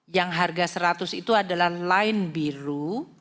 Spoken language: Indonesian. yang harga seratus itu adalah line biru